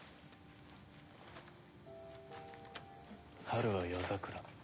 春は夜桜